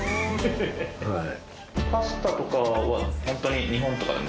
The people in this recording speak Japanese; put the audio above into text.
はい。